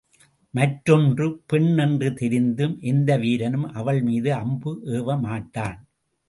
மற்றொன்று பெண் என்று தெரிந்தும் எந்த வீரனும் அவள் மீது அம்பு ஏவமாட்டான்.